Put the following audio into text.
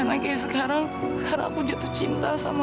karena kayak sekarang sekarang aku jatuh cinta sama kamu nara